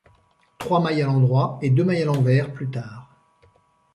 Trois mailles à l'endroit et deux mailles à l'envers plus tard.